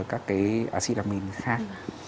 các cái acid amine khác